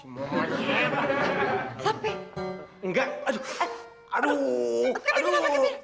tapi enggak aduh aduh aduh